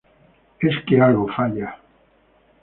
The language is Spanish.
es que algo falla